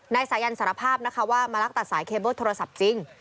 นายสายันสารภาพนะคะว่ามาลักตัดสายเคเบิ้ลโทรศัพท์จริง